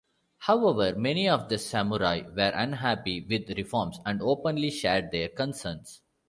However, many of the samurai were unhappy with reforms and openly shared their concerns.